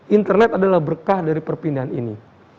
internet adalah berkah dari perpindahan ini